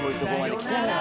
来たよな。